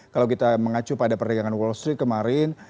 kalau kita mengacu pada perdagangan wall street kemarin